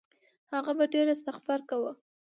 هغه به ډېر استغفار کاوه.